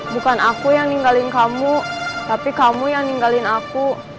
bukan aku yang ninggalin kamu tapi kamu yang ninggalin aku